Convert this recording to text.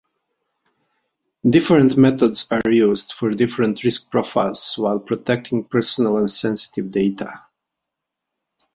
Different methods are used for different risk profiles while protecting personal and sensitive data.